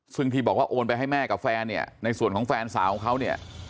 ซึ่งที่บอกว่าโอนไปให้แม่กับแฟนเนี่ยในส่วนของแฟนสาวของเขาเนี่ย